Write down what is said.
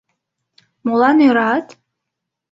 — Молан ӧрат?